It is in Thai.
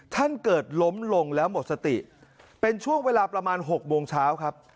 ท่านเกิดล้มลงแล้วหมดสติเป็นช่วงเวลาประมาณ๖โมงเช้าครับ